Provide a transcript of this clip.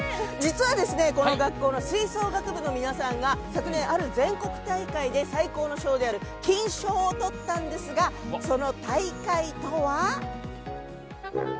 この学校の吹奏楽部の皆さんが全国大会で最高の賞である金賞を取ったんですがその大会とは？